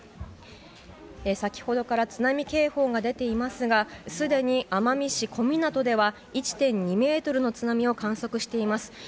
先ほどから津波警報が出ていますがすでに奄美市小湊では１．２ｍの津波を観測しています。